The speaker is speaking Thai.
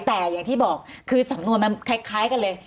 แต่อย่างที่บอกคือสำนวนมันคล้ายกันเลย